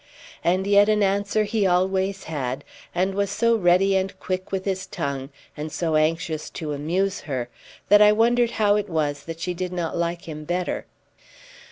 And yet an answer he always had; and was so ready and quick with his tongue, and so anxious to amuse her, that I wondered how it was that she did not like him better.